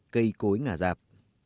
cây cối ngả dạp